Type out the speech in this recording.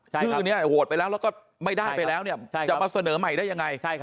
ชื่อนี้โหวตไปแล้วแล้วก็ไม่ได้ไปแล้วเนี่ยจะมาเสนอใหม่ได้ยังไง